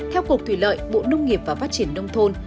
theo cục thủy lợi bộ nông nghiệp và phát triển nông thôn